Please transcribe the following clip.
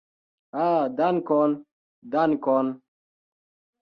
Ah, dankon, dankon!